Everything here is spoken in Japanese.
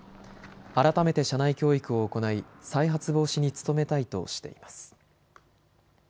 改めて社内教育を行い再発防止に努めたいとしています。